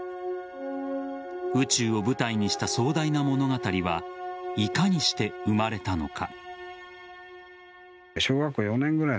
宇宙を舞台にした壮大な物語はいかにして生まれたのか。